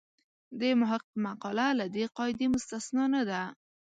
د محق مقاله له دې قاعدې مستثنا نه ده.